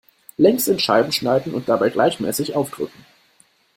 Längs in Scheiben schneiden und dabei gleichmäßig aufdrücken.